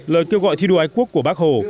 lời kêu gọi thi đua ái quốc của bác hồ